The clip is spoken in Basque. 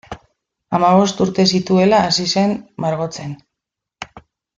Hamabost urte zituela hasi zen margotzen.